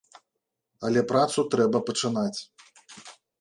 Але працу трэба пачынаць.